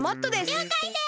りょうかいです！